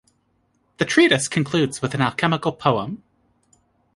The treatise concludes with an alchemical poem.